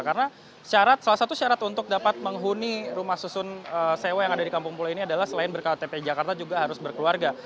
karena salah satu syarat untuk dapat menghuni rumah susun sewa yang ada di kampung pulau ini adalah selain berkalau tp jakarta juga harus berkeluarga